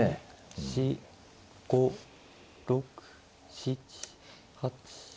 ４５６７８。